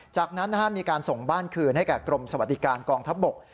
จากนั้นมีการส่งบ้านคืนให้แก่กรมสวัสดิการกองทัพบก